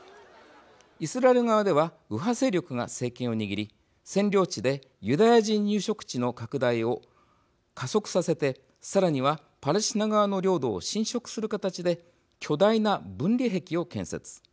イスラエル側では右派勢力が政権を握り占領地でユダヤ人入植地の拡大を加速させてさらにはパレスチナ側の領土を侵食する形で巨大な分離壁を建設。